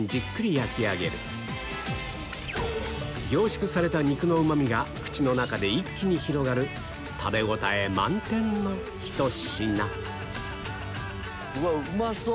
焼き上げる凝縮された肉のうま味が口の中で一気に広がる食べ応え満点のひと品うまそう！